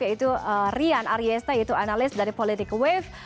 yaitu rian aryesta yaitu analis dari politika wave